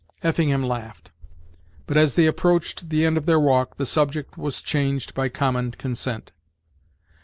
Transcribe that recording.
Effingham laughed; but, as they approached the end of their walk, the subject was changed by common consent.